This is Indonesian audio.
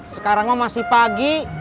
sekarang mah masih pagi